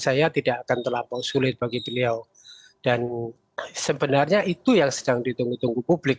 saya tidak akan terlampau sulit bagi beliau dan sebenarnya itu yang sedang ditunggu tunggu publik